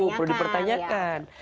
nah itu perlu dipertanyakan